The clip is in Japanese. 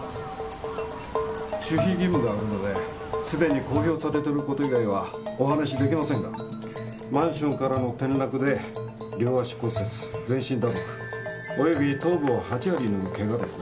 守秘義務があるので既に公表されてること以外はお話しできませんがマンションからの転落で両足骨折全身打撲および頭部を８針縫うケガですね。